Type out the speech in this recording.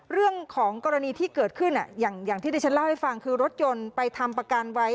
เรื่องของกรณีที่เกิดขึ้นอย่างที่ดิฉันเล่าให้ฟังคือรถยนต์ไปทำประกันไว้